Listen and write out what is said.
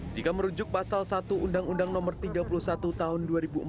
jika merujuk pasal satu undang undang no tiga puluh satu tahun dua ribu empat